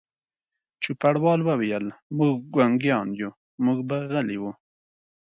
چوپړوال وویل: موږ ګونګیان یو، موږ به غلي وو.